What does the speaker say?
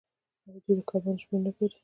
آیا دوی د کبانو شمیر نه ګوري؟